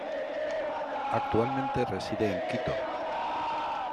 Actualmente reside en Quito.